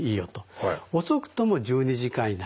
遅くとも１２時間以内ですね。